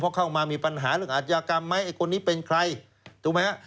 เพราะเข้ามามีปัญหาเรื่องอาชญากรรมไหมไอ้คนนี้เป็นใครถูกไหมฮะ